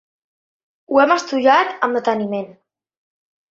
Ho hem estudiat amb deteniment.